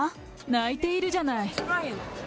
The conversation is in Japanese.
泣いているじゃない。